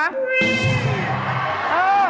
เออ